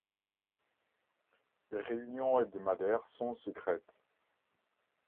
Les réunions hebdomadaires sont secrètes.